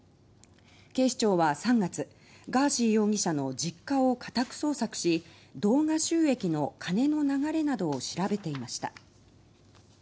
警視庁は３月ガーシー容疑者の実家を家宅捜索し動画収益の金の流れなどを調べていました。